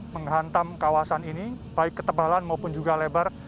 menghantam kawasan ini baik ketebalan maupun juga lebar